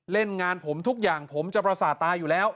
เล่นงานผมทุกอย่างผมจะประสาทตาอยู่แล้ว